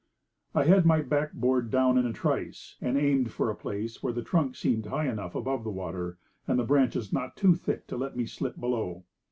I had my backboard down in a trice, and aimed for a place where the trunk seemed high enough above the water, and the branches not too thick to let me slip below.